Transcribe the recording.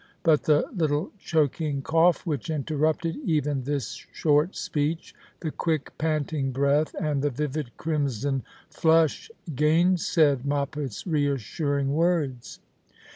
But the little choking cough which interrupted even this short speech, the quick panting breath, and the vivid crimson flush gainsaid Moppet's reassuring words.